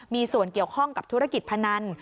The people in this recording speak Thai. มีส่วนเกี่ยวข้องกับธุรกิจพนัน